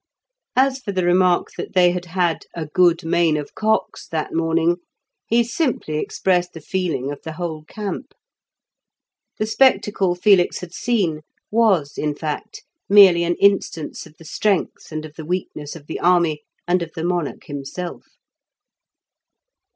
As for the remark, that they had had "a good main of cocks that morning," he simply expressed the feeling of the whole camp. The spectacle Felix had seen was, in fact, merely an instance of the strength and of the weakness of the army and the monarch himself.